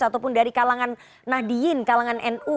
ataupun dari kalangan nahdiyin kalangan nu